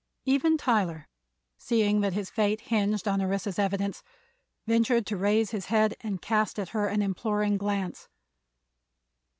Even Tyler, seeing that his fate hinged on Orissa's evidence, ventured to raise his head and cast at her an imploring glance.